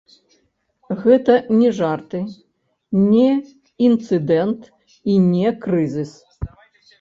Гэта не жарты, не інцыдэнт, і не крызіс.